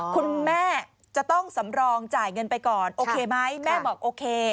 คุณแม่จะต้องสำรองจ่ายเงินไปก่อนโอเคไหมแม่บอกโอเค